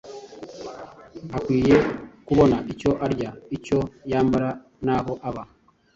Akwiye kubona icyo arya, icyo yambara n’aho aba.